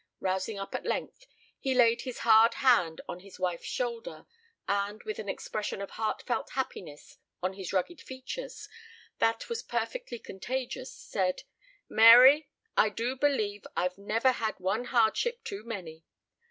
Rousing up at length, he laid his hard hand on his wife's shoulder, and, with an expression of heartfelt happiness on his rugged features, that was perfectly contagious, said, "Mary, I do believe I've never had one hardship too many.